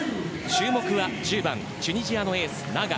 注目は１０番チュニジアのエースナガ。